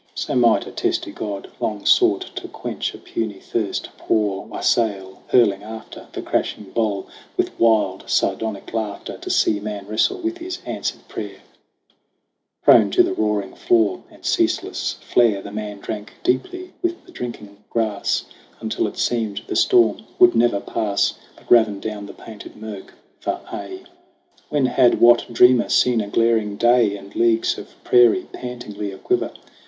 So might a testy god, long sought to quench A puny thirst, pour wassail, hurling after The crashing bowl with wild sardonic laughter To see man wrestle with his answered prayer ! Prone to the roaring flaw and ceaseless flare, The man drank deeply with the drinking grass; Until it seemed the storm would never pass But ravin down the painted murk for aye. When had what dreamer seen a glaring day And leagues of prairie pantingly aquiver